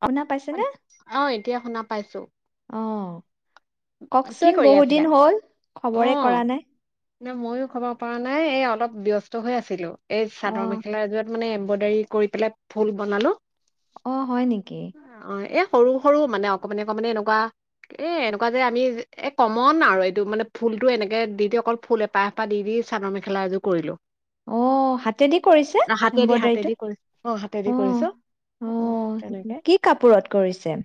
শুনা পাইছেনে। অ এতিয়া শুনা পাইছো। অ'। কি কওকচোন কৰি বহু আছিলা দিন হ'ল অ খবৰে কৰা নাই। ন মইও খবৰ পৰা নাই এই অলপ ব্যস্ত হৈ আছিলো। এই অ', চাদৰ মেখেলা এযোৰত মানে এম্ব্ৰইডাৰী কৰি পেলাই ফুল বনালো অ' হয় নেকি? অ এই সৰু সৰু মানে অকমানি অকমানি এনেকুৱা। এ এনে এনেকুৱা যে আমি এ কমন আৰু এইটো মানে ফুলতটো এনেকে দি দি অকল ফুল এপাহ এপাহ দি দি চাদৰ মেখেলা এযোৰ কৰিলো। অ' হাতেদি কৰিছে হাতেদি হাতেদি এমব্ৰইডাৰীটো। কৰিছো অ হাতেদি কৰিছো অ' অ' কি কাপোৰত কৰিছে?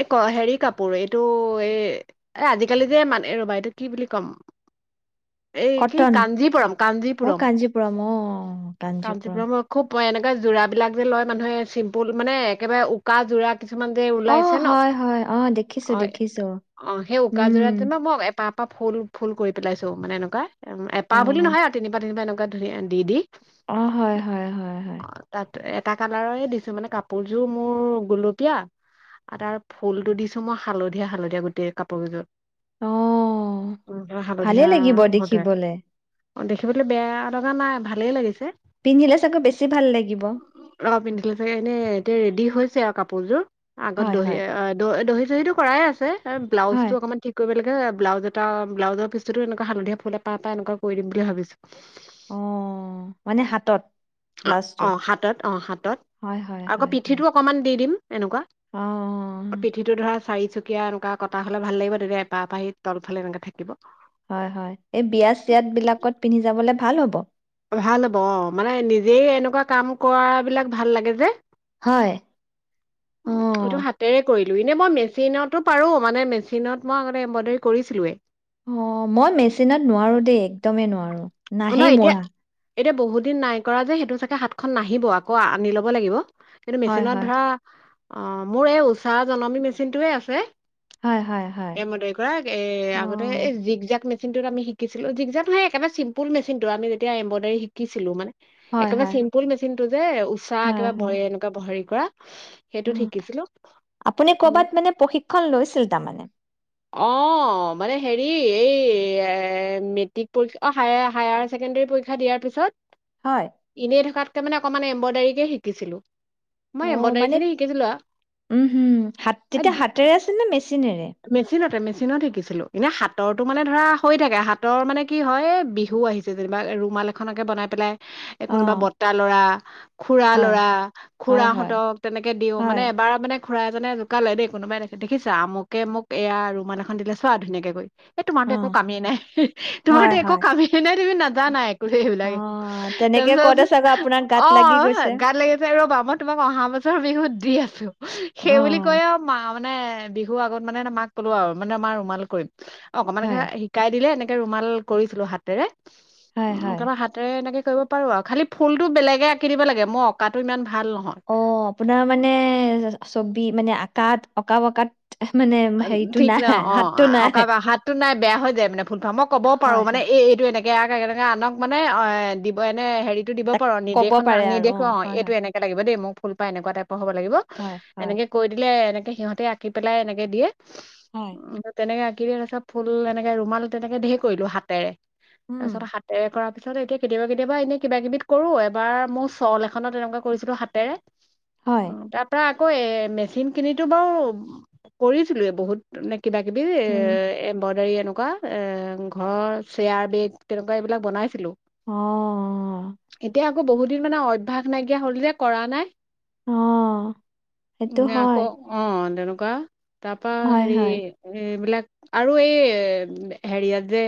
এই ক হেৰি কাপোৰ এই অ' এ আজিকালি যে মানে ৰবা এইটো কি বুলি ক'ম এই কি কটন? কাঞ্জিপুৰম, অ', কাঞ্জিপুৰম, কাঞ্জিপুৰম অ', কাঞ্জিপুৰম। কাঞ্জিপুৰমৰ খুব অ' এনেকা যোৰাবলাক যে লয় মানুহে চিম্পুল মানে একেবাৰে উকা যোৰা কিছুমান যে ওলাইছে অ' ন হয় হয় অ' দেখিছ অ' অ' সেই উকা যোৰাতে মোক এপাত ফুল, ফুল কৰি পেলাইছোঁ মানে এনেকুৱাই উ এপাহ বুলি অ', নহয় আৰু তিনিপাহ তিনিপাহ এনে [unintelligible] [unintelligible] দি দি অ' হয় হয় হয় হয়। তাত এটা কালাৰৰে দিছোঁ মানে, কাপোৰযোৰ মোৰ গুলপীয়া আৰু তাৰ ফুলটো দিছো মই হালধীয়া হালধীয়া গোটেই কাপোৰ কিযোৰত অ', [unintelligible] ভালেই হালধীয়া লাগিব হতে দেখিবলে। অ' দেখিবলৈ বেয়া লগা নাই ভালেই লাগিছে। পিন্ধিলে চাগৈ বেছি ভাল লাগিব। অ' পিন্ধিলে চাগে এনে এতিয়া ৰেডি হৈছে [unintelligible] কাপোৰযোৰ আগত হয়, দহি হয়, আহ দ-দহি [unintelligible] পৰাই আছে [unintelligible] হয়। ব্লাউজটো অকমান ঠিক কৰিব লাগে ব্লাউজ এটা, ব্লাউজৰ পিচটোতো এনেকুৱা হালধীয়া ফুল এপাহ এপাহ এনেকুৱা কৰি দিম বুলি ভাবিছোঁ। অ', মানে হাতত? অ', ব্লাউজটোত অ', হাতত অ', হাতত হয় হয় আকৌ হয় হয় পিঠিটো অকণমান দি দিম। এনেকুৱা, অ পিঠিটো ধৰা চাৰিচুকীয়া এনেকুৱা কটা হ'লে ভাল লাগিব, তেতিয়া এপাহ এপাহ এই তলফালে এনেকে থাকিব। হয়, হয়, এই বিয়া চিয়াত বিলাকত পিন্ধি যাবলে ভাল হ'ব। ভাল হ'ব, অ', মানে নিজেই এনেকুৱা কাম কৰা বিলাক ভাল লাগে যে। হয় অ। এইটো হাতেৰে কৰিলোঁ এনে মই মেচিনতো পাৰো মানে মেচিনত মই এম্ব্ৰইডাৰী কৰিছিলোৱে অ', মই মেচিনত নোৱাৰো দেই একদমেই নোৱাৰো। নহয় নাহেই এতিয়া মোৰ এতিয়া বহুত দিন নাই কৰা যে সেইটো কাৰণে হাতখন নাহিব আকৌ আনি ল'ব লাগিব। কিন্তু হয় মেচিনত হয় ধৰা অ', মোৰ এই উষা জনমী মেচিনটোৱে আছে। হয় হয় হয় এইমতে কৰা এ অ আগতে এই জিক জাক মেচি যোনটোত আমি শিকিছিলোঁ [unintelligible] সেই একেবাই চি ফুল মেচিনটো আমি যেতিয়া এম্ব্ৰইডাৰী শিকিছিলো মানে হয় একেবাৰে হয় চিম্পুল মেচিনটো যে ঊষা হয় একেবাৰে হয় ভয় এনেকুৱা ভৰি তৰা অ আপুনি উম ক'বাত মানে প্ৰশিক্ষণ লৈছিল তাৰমানে? অ মানে হেৰি এই মেট্ৰিক পৰীক্ষা অ হায় হায়াৰ ছেকেণ্ডেৰী পৰীক্ষা দিয়াৰ হয় পিছত। এনেই থকাত তাৰমানে অকণমান এম্ব্ৰইডাৰীকে শিকিছিলো। অ মই এম্ব্ৰইডাৰী মানে খিনি শিকিছিলো উম হুম হাত তেতিয়া হাতেৰে আছিল নে মেচিনেৰে? ছিলতে মেচিনত শিকিছিলো মানে হাতৰটো মানে ধৰা হৈ থাকে হাতৰ মানে কি হয় বিহু আহিছে যেনিবা ৰুমাল এখনকে বনাই পেলাই এ অ কোনোবা বৰ্টা লৰা খুৰা হয় লৰা হয় হয় খুৰাহঁতক তেনেকে দিও মানে হয় এবাৰ মানে খুৰা এজনে জোকালে দেই কোনোবাই এনেকে দেখিছা আমুকে মোক এয়া ৰুমাল এখন দিলে চোৱা ধুনীয়াকে কৈ এই অ তোমাৰটো একো কামেই নাই। হয় তোমাৰতো একো হয় কামেই নাই তুমি অ নাজানা একো সেইবিলাক একো অহ তেনেকে তাৰপিছত কওঁতে চাগৈ আপোনাৰ গাত অ লাগি গৈছে। গাত লাগিছে ৰবা মই তোমাক অহা বছৰ বিহুত দি আছো সেই বুলি কৈ অহ আও মা মানে বিহু আগত মানে‌ মাক কলো আও মানে মা ৰুমাল কৰিম। অকমানকে হয় শিকাই দিলে এনেক ৰুমাল কৰিছিলোঁ হাতেৰে হয় উম, হয়। হাতেৰে এনেকে কৰিব পাৰোঁ আৰু খালি ফুলতো বেলেগে আকি দিব লাগে মই অকাটো ইমান ভাল নহয় অ' আপোনাৰ মানে চ'ব ছবি মানে আকাত অঁকা পকাত অ' ঠিক ন অ' নাই। অঁকা হাতো নাই বেয়া হৈ যায় মানে ফুলপাহ মই ক'ব হয় পাৰোঁ মানে হয়। এইটো এনেকে দিয়াৰ লগে লগে আনক মানে অ' দিব এনে হেৰি হেৰীটো দিব তাক পাৰোঁ ক'ব নিৰ্দেশনা পাৰে আৰু নিৰ্দেশ অহ অ' হয় এইটো হয়। এনেকে লাগিব দেই মোক ফুল পাহ এনেকুৱা টাইপ পহাব লাগিব, হয় হয় এনেকে কৈ দিলে এনে এ সিহঁতে আঁকি পেলাই এনে এ দিয়ে হয়। অ', তেনেক [unintelligible] ফুল এনেকে ৰুমাল তেনেকে ধেৰ কৰিলো হাতেৰে। উম তাৰপিছত হাতেৰে কৰা [unintelligible] এতিয়া কেতিয়াবা কেতিয়াবা এনেই কিবা কিবিত কৰো এবাৰ মোৰ চল এখনত এনেকুৱা কৰিছিলো হাতেৰে। হয় উম, তাৰ পৰা কৈয়ে মেচিন কিনিতো বাৰু কৰিছিলোয়ে বহুত নে কিবা কিবি এ উম এম্ব্ৰইডাৰী তেনেকুৱা এ ঘৰৰ চেয়াৰ বেগ তেনেকুৱা এইবিলাক বনাইছিলো। অ'। এতিয়া বহুত দিন মানে অভ্যাস নাইকীয়া হ'ল যে কৰা নাই। অ', সেইটো নে আকৌ হয়। অ [unintelligible] তাৰপা হয় হেৰি হয় এইবিলাক আৰু এই হেৰিয়াত যে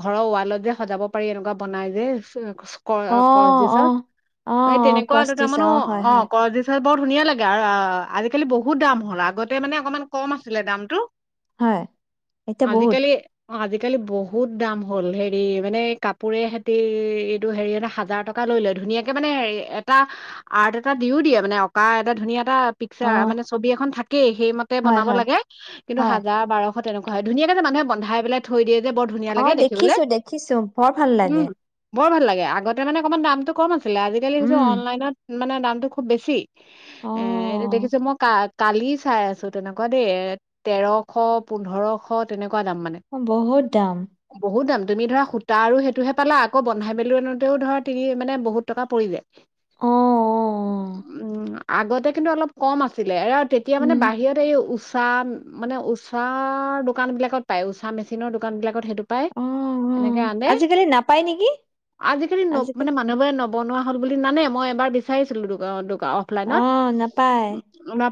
ঘৰৰ ৱালত যে সজাব পাৰি এনেকুৱা বনাই যে। কৰ অহ কৰজেছৰ অহ অহ এই অহ তেনেকুৱা ক্ৰছ দিছে দুটামানো অহ হয় অ', হয় কৰজেছৰ বৰ ধুনীয়া লাগে আৰু অ', আজিকালি বহুত দাম হ'ল আগতে মানে অকমান কম আছিলে দামটো। হয়, এতিয়া বহুত। আজিকালি অ', আজিকালি বহুত দাম হ'ল হেৰি মানে এই কাপোৰে সেটি এইটো হেৰি হাজাৰ টকা লৈ লয় ধুনীয়াকে মানে এটা আৰ্ট এটা দিও দিয়ে মানে অঁকা এটা ধুনীয়া এটা পিকচাৰ অহ মানে ছবি এখন থাকেই সেই ম হয় বনাব হয় লাগে, কিন্তু হয়। হাজাৰ বাৰ [unintelligible] তেনেকুৱা হয় ধুনিয়াকে যে মানুহে বন্ধাই পেলাই থৈ দিয়ে। যে বৰ ধুনীয়া অ' লাগে দেখিবলৈ দেখিছো দেখিছো বৰ ভাল উম লাগে। বৰ ভাল লাগে আগতে মানে অকমান দামটো কম আ [unintelligible] আজিকালি হৈছে উম অনলাইনত মানে দামটো খুব বেছি। অ এ [unintelligible] দেখিছো ম কাক কালি চাই আছো। তেনেকুৱা দেই তেৰশ পোন্ধৰশ তেনেক, বহুত দাম বহুত দাম তুমি ধৰা সূতা আৰু সেইটোহে পালা আকৌ বন্ধাই মেলি আনোতেও ধৰা তিনি মানে বহুত টকা পৰি যায় অ অ উম অ আগতে কিন্তু অলপ কম আছিলে তেতিয়া মানে উম বাহিৰত এই উঊষা মানে উঊষা দোকান বিলাকত পায় উঊষা মেচিনৰ দোকান বিলাক সেইটো পাই অ অ এনেকে আনে আজিকালি নাপায় নেকি আজিকালি ন মানে মানুহবোৰে নবনা বুলি নানে মই এবাৰ বিচাৰিছিলো দোকা অন অ অফলাইনত নাপায়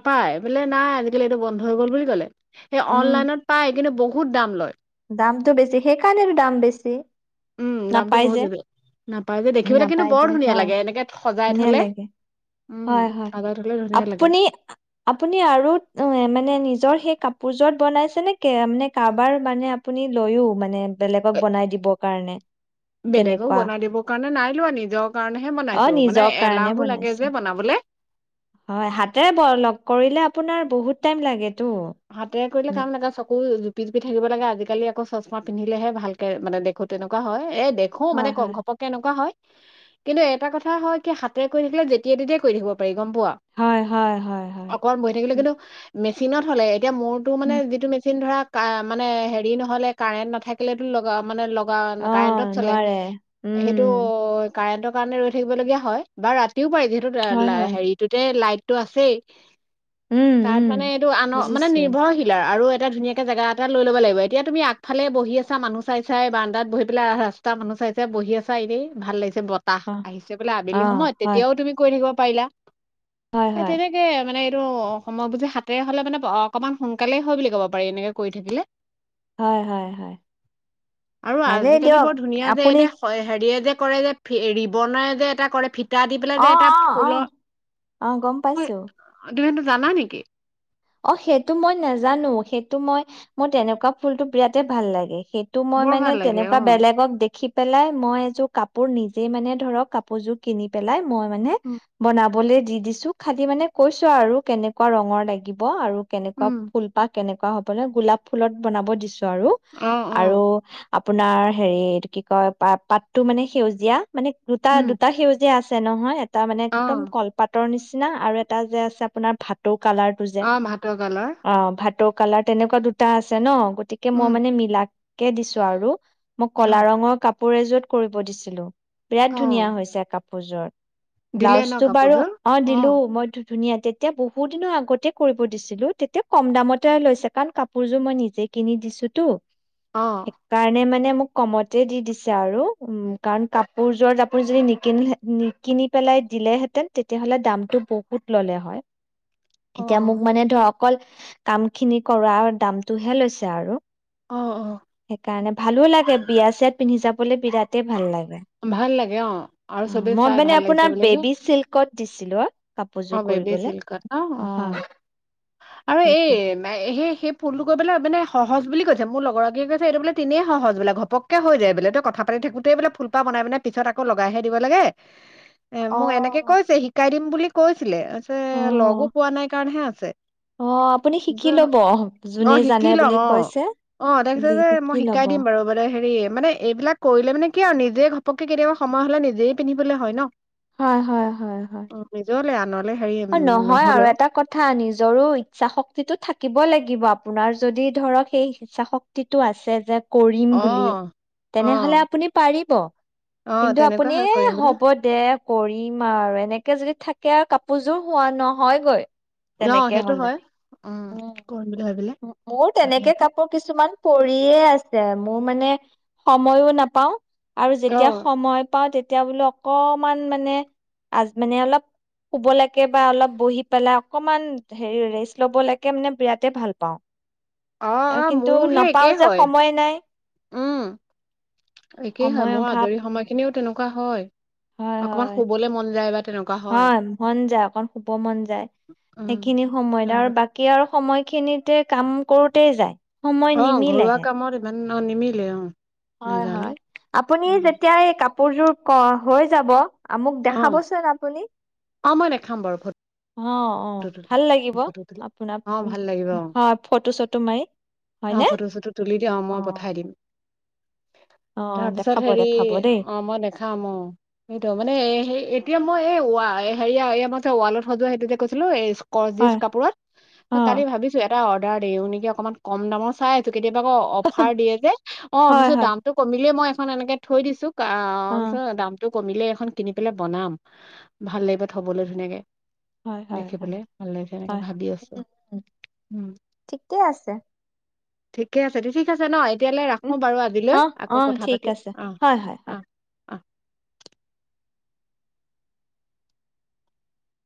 পায় বোলে নাই আজি কালি এইটো বন্ধ হৈ গ'ল বুলি ক'লে সে উম অনলাইনত পায় কিন্তু বহুত বহুত দাম লয় দামটো বেছি সেইকাৰণটো দাম বেছি উম দামটো নাপাই বহুত যে। বেছি নাপায় যে দেখিবলৈ কিন্তু নাপায় বৰ যে। ধুনীয়া হয়। লাগে এনেকে সজাই ধুনীয়া থলে লাগে। উম হয় হয়। আদা থলে ধুনীয়া লাগে আপুনি আপুনি আৰু মানে মানে নিজৰ সেই কাপোৰযোৰত বনাইছে নে কে এ কাৰোবাৰ মানে আপুনি লৈইও মানে বেলেগক বনাই দিবৰ কাৰণে বেলেগক তেনেকুৱা বনাই দিবৰ কাৰণে নাই লোৱা নিজৰ কাৰণেহে অ বনাইছো মানে নিজৰ কাৰণে এলাহো লাগে বনাইছে যে বনাবলৈ হয় হাতেৰে লগ কৰিলে আপোনাৰ বহুত টাইম লাগে হাতেৰে কৰিলে কাম লাগে চব আকৌ জুপি জুপি থাকিব লাগে আজিকালি আকৌ চশমা পিন্ধিলেহে ভালকে মান দেখো তেনেকুৱা হয় এ দেখো মানে হয় হয় ঘপককে এনেকুৱা হয় কিন্তু এটা কথা হয় কি হাতেৰে কৰি থাকিলে যেতিয়াই তেতিয়াই কৰি থাকিব পাৰি গম পোৱা? হয় হয় হয় হয় অকমান বহি থাকিলে উম, কিন্তু মেচিনত হ'লে এতিয়া মোৰটো মানে উম। যিটো মেচিন ধৰা মানে হেৰি নহলে কাৰেণ্ট নাথাকিলেতো লগা মানে লগ কাৰণ অ কাৰেন্টত চলে নোৱাৰে সেইটো উম কাৰেন্টত কাৰণে ৰৈ থাকিবলগীয়া হয় বা ৰাতি ও পাৰি যিহেতু হয় হয় হেৰিটোতে লাইট টো আছেই উম তাত উম মানে এইটো আনক মানে বুজিছো নিৰ্ভৰশীল আৰু এতিয়া ধুনীয়াকে জাগা এটা লৈ লব লাগিব। এতিয়া তুমি আগফালে বহি আছা মানুহ চাই চাই বাৰান্দাত বহি পেলাই ৰাস্তা মানুহ চাই চাই বহি আছা এনেই ভাল লাগিছে বতাহ অ আহিছে বোলে আবেলি অ সময়ত হয় তেতিয়াও তুমি কৈ দিব পাৰিলা হয় এ হয় তেনেকেই মানে, টোয় সেইটো অসমৰ হাতেৰে হ'লে মানে অকনমান সোনকালেই হয় বুলি ক'ব পাৰি এনেকে কৰি থাকিলে, হয় হয় হয় আৰু ভালেই আজিকালি দিয়ক বৰ ধুনীয়া যে আপুনি এনেই হেৰিয় যে, কৰে যে ৰিবনে যে এটা কৰে, ফিটা দি পেলাই আ যে এটা আ ফুলৰ অ' গম হয়, পাইছো। তুমি এইটো জানা নেকি? অ' সেইটো মই নাজানো সেইটো মই মোৰ তেনেকুৱা ফুলটো বিৰাতেই ভাল লাগে। সেইটো মই বৰ মানে ভাল লাগে তেনেকুৱা অ'। বেলেগক দেখি পেলাই মই এযোৰ কাপোৰ নিজে মানে ধৰক কাপোৰযোৰ কিনি পেলাই, মই মানে উম, বনাম। বলে দি দিছো খালি মানে কৈছো আৰু কেনেকুৱা ৰঙৰ লাগি অ' আৰু কেনেকুৱা উম, ফুলপাহ কেনেকুৱা! হলে গোলাপ ফুলত বনাব দিছো আৰু অ', আৰু অ', আপোনাৰ হেৰি এইটো কি কয় পাত পাতটো মানে সেউজীয়া। মানে দুটা উম, দুটা সেউজীয়া আছ আছে নহয়? তাৰ মানে একদম অ', কলপাতৰ নিচ আৰু এটা যে আছে আপোনাৰ ভাতৌ কালাৰ টো যে। অ', ভাটো কালাৰ। টৌ কালাৰ তেনেকুৱা দুটা আছে ন'। গতিকে মই উম, মানে মিলাক তাকেই দিছো আৰু মোক ক'লা অ', ৰঙৰ কাপ [unintelligible] কৰিব দিছিলোঁ। বিৰাট ধুনীয়া অ', হৈছে কাপ পূজৰ দিলে ন ব্লাউজটো বাৰু কাপোৰযোৰ? অ', দিলো, মইটো ধুনীয়া তেতিয়া বহুত দিনৰ আগতেই কৰিব দিছিলো তেতিয়া কম দামতে লৈছে কাৰণ কাপোৰযোৰ মই নিজে কিনি দিছো তো অ', সেইকাৰণে মানে মোক কমতে দি দিছে আৰু কাৰণ কাপোৰ যোৰত নিকিনি পেলাই দিলে হেতেঁন তেতিয়া বহুত ল'লে এতিয়া মোক অ', মানে ধৰক অকল কামখিনি কৰাৰ দামটোহে লৈছে আৰু। অ', অ', সেইকাৰণে ভালো লাগে বিয়া চিয়াত পিন্ধি যাবলৈ বিৰাটেই ভাল লাগে, ভাল লাগে অ', আৰু অ', চবে মই চাই ভাল লাগিছে মানে বুলি কয়। বেবী চিল্কত দিছিলোঁ। [unintelligible] অ' বেবী‍ চিল্কত ন। অ আৰু এই সেইটো সেই-সেই ফুলটো গৈ পেলাই মানে স সহজ বুলি কৈছে, মোৰ লগৰ এগৰাকীয়ে কৈছে এইটো বোলে তেনেই সহজ বোলে, ঘপকে হৈ যায় বোলে তই কথা পাতি থাকোঁতেই বোলে ফুলপাহ বনাই পিছত আকৌ লগাইহে দিব লাগে। এ, অ মোক এনেকে কৈছে শিকাই দিম বুলি কৈছিলে। অ [unintelligible] লগো পোৱা নাই কাৰণহে আছে। অ আপুনি শিকি ছে। [unintelligible] লব যোনে অ' জানে শিকি বুলি লম, কৈছে অ'-অ' তাই কৈছে যে মই শিকি শিকাই লব দিম বাৰু মানে হেৰি, মানে এইবিলাক কৰিলে মানে কি আৰু নিজে ঘ পতকে কেতিয়াবা সময় হ'লে নিজেই পিন্ধিবলৈ হয় ন? হয়-হয়-হয়-হয়। [unintelligible] অ উম নহয় আৰু নহলেও এটা কথা নিজৰো ইচ্ছা শক্তিটো থাকিব লাগি লাগিব, আপোনাৰ যদি ধৰক সেই ইচ্ছা শক্তিটো আছে যে কৰিম অ বুলি অ তেনেহ'লে আপুনি পাৰিব অ কিন্তু তেনেকুৱা আপুনি হয় এ কৰিম বুলি হ'ব দে কৰিম আৰু এনেকে যদি থাক [unintelligible] কাপ। পুজো হোৱা নহয়গৈ। অ তেনেকে সেইটো হ'লে হয় উম উম্, কৰিম বুলি ভাবিলে মোৰ তেনেকে কাপোৰ কিছুমান পৰিয়ে আছে মোৰ মানে সময়ো নাপাওঁ আৰু অ যেতিয়া সময় পাওঁ তেতিয়া বোলো অকণমান মানে আজ, মানে অলপ শুবলৈকে বা অলপ বহি পেলাই অকণমান হেৰি ৰেষ্ট লবলৈকে মানে বিৰাট ভাল পাওঁ। আহ, অ'-অ' কিন্তু মোৰো সেই নাপাও একেই যে হয়, সময় নাই উম্, একেই হয় সময় মোৰ আজৰি সময়খিনিও তেনেকুৱা কোৱা হয়। অকমান শুবলে মন যায় বা তেনেকুৱা হয়। হয়-হয়-হয় মন যায়, অকণ শুব মন যায় উম, সেইখিনি সময়ত আৰু তেনেকুৱা। বাকী আৰু সময় খিনিতে কাম কৰোঁতেই যায়। সময় নিমিলেহে। ন নিমিলে অ'। হয়, নেজালে হয় আপুনি অ'। যেতিয়া এই কা কাপোৰযোৰ ক' হৈ যাব আ মোক দেখাবচোন আপুনি। অ', মই দেখাম বাৰু ফটো অ', অ', তুলি ভাল লাগিব ফটো তুলি আপোনা অ', উম, ভাল লাগিব উম অ', হয়, ফটো চটো মাৰি, অ', হয়নে? ফটো চটো তুলি দিয়া মই অ'। পঠাই দিম তাৰপিছত দেখাব হেৰি দেখাব দেই অ', মই দেখাম অ', সেইটো মানে এ হেই এতিয়া মানে মই এই ৱা হেৰিয়া এই মই যে, ৱালত সঁজোৱা সেইটো যে কৈছিলোঁ এই কৰজিছ হয় কাপোৰত। অ ত কালি ভাবিছো এটা অ অৰ্ডাৰ দিওঁ নেকি অকমান, কম দামৰ চাই আছোঁ। কেতিয়াবা আকৌ অফাৰ দিয়ে যে, অ হয় অৱশ্যে হয় দামতটো কমিলেই মই খন এনেকে থৈ দিছো। ক অ চ দামটো কমিলে এখন কিনি পেলাই বনাম। ভাল লাগিব থবলৈ ধুনীয়াকে। হয় হয় হয় দেখিবলে ভাল লাগছে এনেকে, হয় ভাবি আছো। উম উম ঠিকে আছে ঠিকে আছে দে। ঠিক আছে নয় এতিয়ালৈ উম ৰাখো বাৰু আজিলৈ। অহ আকৌ অহ কথা ঠিক আছে পাতিম। অ' হয় হয় হয় অ'। অহ